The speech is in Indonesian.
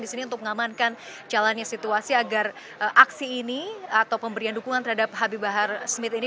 disini untuk mengamankan jalannya situasi agar aksi ini atau pemberian dukungan terhadap habibahar smith ini